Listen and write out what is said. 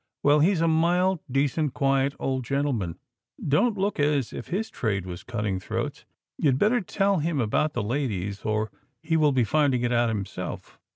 Well, he's a mild, decent, quiet old gentleman; don't look as if his trade was cutting throats. You'd better tell him about the ladies, or he will be finding it out himself."